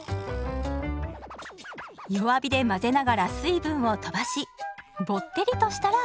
弱火で混ぜながら水分をとばしぼってりとしたらＯＫ！